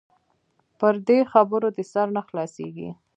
پر دې خبرو دې سر نه خلاصيږي.